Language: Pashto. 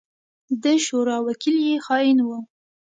د شورا وکيل يې خائن وو.